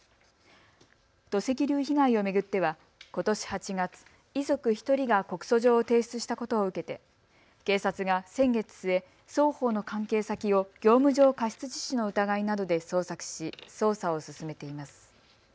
土石流被害を巡ってはことし８月、遺族１人が告訴状を提出したことを受けて警察が先月末、双方の関係先を業務上過失致死の疑いなどで捜索し、捜査を進めています。